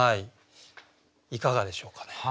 いかがでしょうかね。